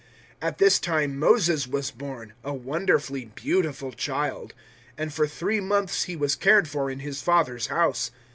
007:020 At this time Moses was born a wonderfully beautiful child; and for three months he was cared for in his father's house.